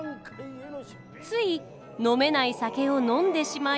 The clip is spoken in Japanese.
つい飲めない酒を飲んでしまい。